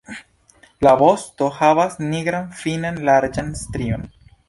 La vosto havas nigran finan larĝan strion.